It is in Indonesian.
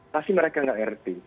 tapi mereka tidak mengerti